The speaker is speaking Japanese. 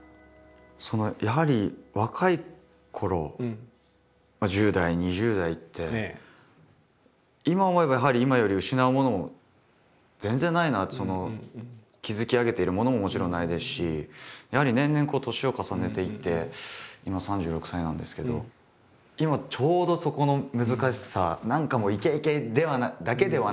やはり若いころ１０代２０代って今思えばやはり今より失うものも全然ないなって築き上げているものももちろんないですしやはり年々年を重ねていって今３６歳なんですけど今ちょうどそこの難しさ。